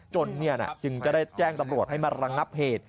จึงจึงจะได้แจ้งตำรวจให้มาระงับเหตุ